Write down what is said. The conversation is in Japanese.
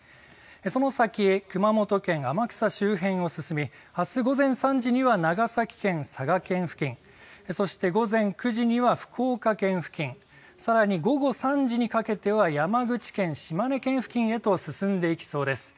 その先、熊本県天草周辺を進みあす午前３時には長崎県、佐賀県付近、そして午前９時には福岡県付近、さらに午後３時にかけては山口県、島根県付近へと進んでいきそうです。